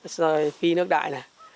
rồi phi nước đại này